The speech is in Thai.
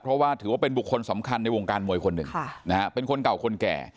เพราะว่าถือว่าเป็นบุคคลสำคัญในวงการมวยคนหนึ่งเป็นคนเก่าคนแก่